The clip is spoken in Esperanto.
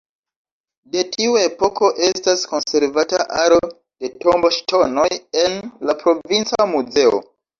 De tiu epoko estas konservata aro de tomboŝtonoj en la Provinca Muzeo.